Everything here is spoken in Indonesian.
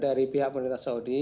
dari pihak pemerintah saudi